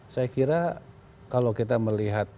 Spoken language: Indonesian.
saya kira kalau kita melihat